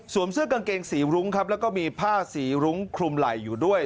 เสื้อกางเกงสีรุ้งครับแล้วก็มีผ้าสีรุ้งคลุมไหล่อยู่ด้วย